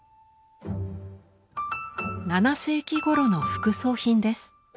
７世紀ごろの副葬品です。